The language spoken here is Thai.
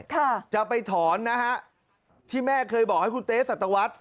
ถอนด้วยจะไปถอนนะฮะที่แม่เคยบอกให้คุณเต๊ะสัตวัสดิ์